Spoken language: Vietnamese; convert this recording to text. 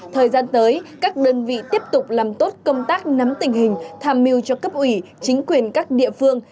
thời gian tới các đơn vị tiếp tục làm tốt công tác nắm tình hình tham mưu cho cấp ủy chính quyền các địa phương